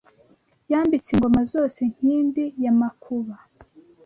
Yambitse ingoma zose nkindi ya Makuba